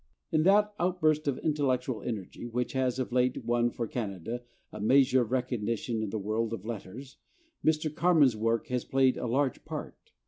In that outburst of intellectual energy which has of late won for Canada a measure of recognition in the world of letters, Mr. Carman's work has played a large part.